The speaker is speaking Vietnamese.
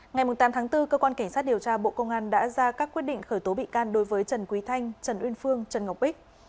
ngày tám tháng bốn cơ quan cảnh sát điều tra bộ công an đã ra các quyết định khởi tố bị can đối với trần quý thanh trần uyên phương trần ngọc bích